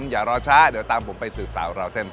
อย่างเช่นประเทศไทยที่ตั้งอยู่ในเขตร้อนและอบอุ่นเป็นส่วนใหญ่